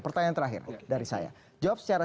pertanyaan terakhir dari saya jawab secara